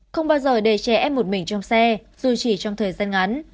không bao giờ để trẻ em một mình trong xe dù chỉ trong thời gian ngắn